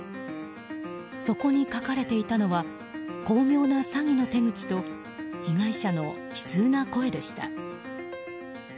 そこに書かれていたのは巧妙な詐欺の手口と被害者の悲痛な声でした。